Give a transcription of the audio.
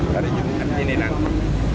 hari jumat ini nanti